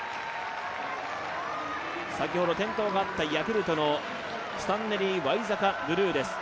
先ほど転倒があったヤクルトのスタンネリー・ワイザカ・ブルーです。